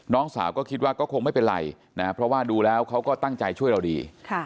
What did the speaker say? น้องสาวก็คิดว่าก็คงไม่เป็นไรนะเพราะว่าดูแล้วเขาก็ตั้งใจช่วยเราดี